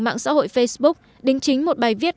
mạng xã hội facebook đính chính một bài viết